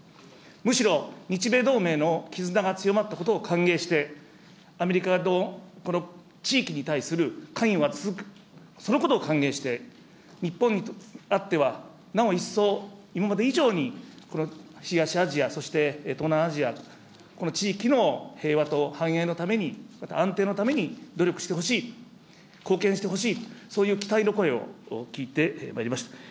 むしろ、日米同盟の絆が強まったことを歓迎して、アメリカが、地域に対する関与が続く、そのことを歓迎して、日本にあってはなお一層、今まで以上に東アジア、そして東南アジア、この地域の平和と繁栄のために、また安定のために努力してほしい、貢献してほしい、そういう期待の声を聞いてまいりました。